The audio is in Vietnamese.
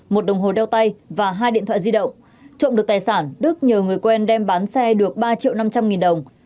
một đồng hồ đeo tay và hai điện thoại di động trộm được tài sản đức nhờ người quen đem bán xe được ba triệu năm trăm linh nghìn đồng